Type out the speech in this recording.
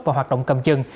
và hoạt động cầm chừng